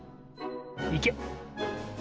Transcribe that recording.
いけ！